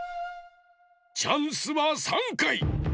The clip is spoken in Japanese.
チャンスは３かい。